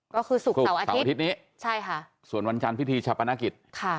ก็คือศุกร์เสาร์อาทิตย์นี้ส่วนวันจันทร์พิธีชะประนักิต